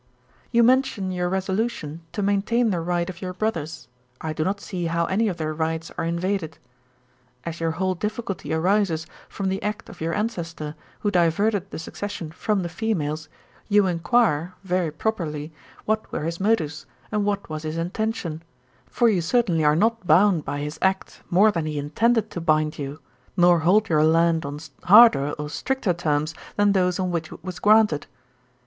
'You mention your resolution to maintain the right of your brothers: I do not see how any of their rights are invaded. 'As your whole difficulty arises from the act of your ancestor, who diverted the succession from the females, you enquire, very properly, what were his motives, and what was his intention; for you certainly are not bound by his act more than he intended to bind you, nor hold your land on harder or stricter terms than those on which it was granted.